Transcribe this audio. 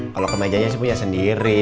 kalo kemejanya sih punya sendiri